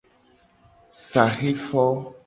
Saxe fo.